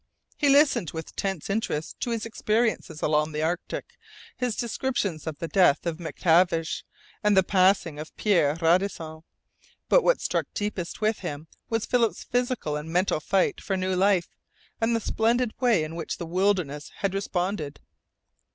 He listened with tense interest to his experiences along the Arctic, his descriptions of the death of MacTavish and the passing of Pierre Radisson. But what struck deepest with him was Philip's physical and mental fight for new life, and the splendid way in which the wilderness had responded.